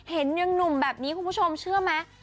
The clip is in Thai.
เห็นยังหนุ่มแบบนี้คุณผู้ชมเชื่อไหม